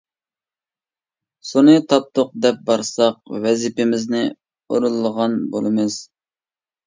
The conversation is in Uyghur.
سۇنى تاپتۇق دەپ بارساق ۋەزىپىمىزنى ئورۇنلىغان بولىمىز.